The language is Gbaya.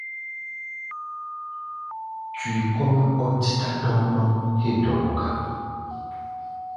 Tui kɔ́-mɛ́ ɔ́ dítá ɗɔ́ŋ-ɗɔ́ŋ héé dɔnɔ gá.